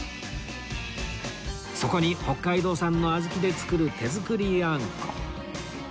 そこに北海道産の小豆で作る手作りあんこ